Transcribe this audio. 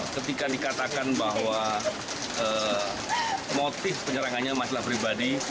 ketika dikatakan bahwa motif penyerangannya masalah pribadi